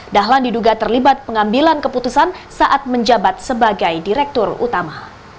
dahlan diduga terlibat pengambilan keputusan saat menjabat sebagai direktur utama